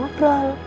masa papa sebelumnya